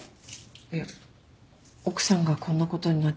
いや奥さんがこんなことになってて。